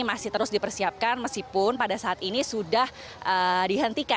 masih terus dipersiapkan meskipun pada saat ini sudah dihentikan